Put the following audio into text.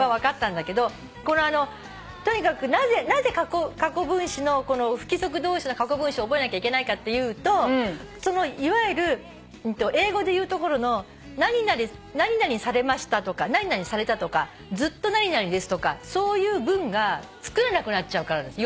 とにかくなぜ不規則動詞の過去分詞を覚えなきゃいけないかっていうといわゆる英語でいうところの「何々されました」とか「何々された」とか「ずっと何々です」とかそういう文がつくれなくなっちゃうからです。